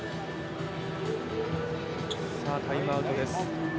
タイムアウトです。